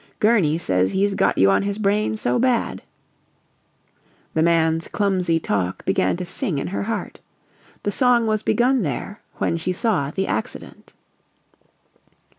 "Gurney says he's got you on his brain so bad " The man's clumsy talk began to sing in her heart. The song was begun there when she saw the accident.